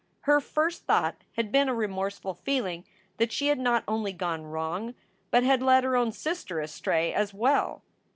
Her first thought had been a remorseful feeling that she had not only gone wrong, but had led her own sister astray, as well.